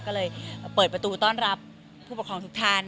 ก็เลยเปิดประตูต้อนรับผู้ปกครองทุกท่าน